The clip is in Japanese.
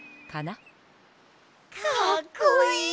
かっこいい。